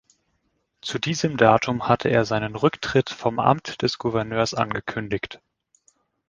Zu diesem Datum hatte er seinen Rücktritt vom Amt des Gouverneurs angekündigt.